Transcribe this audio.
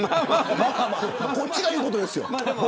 こっちが言うことですよ。